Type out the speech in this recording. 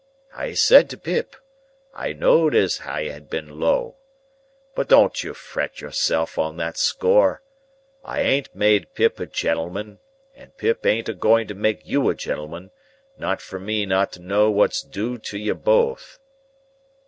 I said to Pip, I knowed as I had been low. But don't you fret yourself on that score. I ain't made Pip a gentleman, and Pip ain't a going to make you a gentleman, not fur me not to know what's due to ye both.